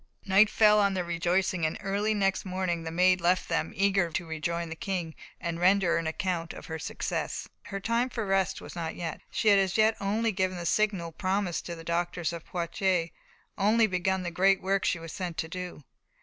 Night fell on their rejoicings, and early next morning the Maid left them, eager to rejoin the King, and render an account of her success. Her time for rest was not yet. She had as yet only given the sign promised to the doctors of Poitiers only begun the great work she was sent to do.